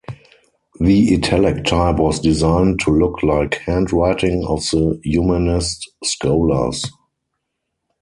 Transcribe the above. The italic type was design to look like handwriting of the humanist scholars.